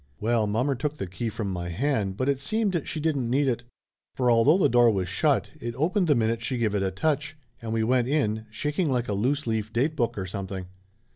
Well, mommer took the key from my hand, but it seemed she didn't need it. For although the door was shut, it opened the minute she give it a touch, and we went in, shaking like a loose leaf date book or some thing.